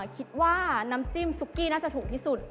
คิดว่าน้ำจิ้มซุกกี้น่าจะถูกที่สุด